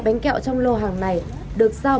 bánh kẹo trong lô hàng này được sao